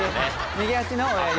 右足の親指。